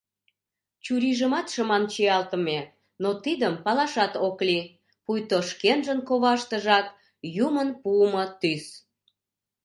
Чурийжымат шыман чиялтыме, но тидым палашат ок лий, пуйто шкенжын коваштыжак, Юмын пуымо тӱс.